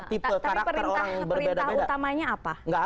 tipe karakter orang berbeda beda